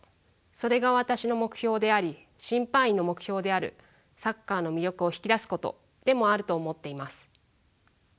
それが私の目標であり審判員の目標であるサッカーの魅力を引き出すことでもあると思っています。